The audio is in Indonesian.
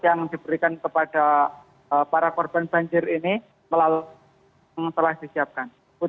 yang diberikan kepada para korban banjir ini yang telah disiapkan